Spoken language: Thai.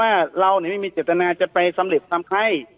ว่าเราเนี่ยไม่มีจตนาจะไปสำเร็จตามไข้